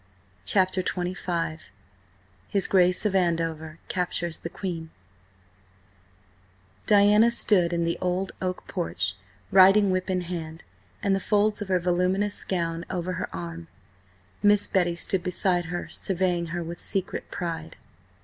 CHAPTER XXV HIS GRACE OF ANDOVER CAPTURES THE QUEEN DIANA stood in the old oak porch, riding whip in hand, and the folds of her voluminous gown over her arm. Miss Betty stood beside her, surveying her with secret pride.